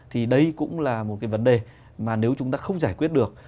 thì đây cũng là một cái vấn đề mà nếu chúng ta không giải quyết được